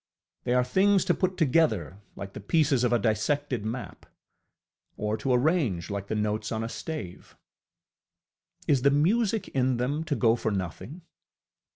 They are things to put together like the pieces of a dissected map, or to arrange like the notes on a stave. Is the music in them to go for nothing?